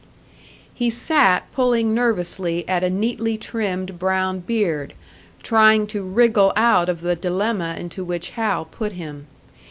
He sat pulling nervously at a neatly trimmed brown beard, trying to wriggle out of the dilemma into which Hal put him.